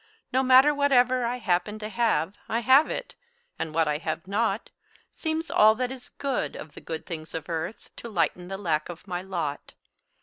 No matter whatever I happen to have, I have it; and what I have not Seems all that is good of the good things of earth To lighten the lack of my lot.